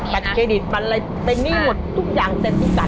แบตเครดิตมันอะไรเป็นหนี้หมดทุกอย่างเต็มที่กัน